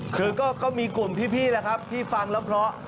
คือก็มีกลุ่มพี่แหละครับที่ฟังแล้วเพราะ